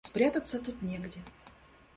Спрятаться тут негде.